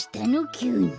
きゅうに。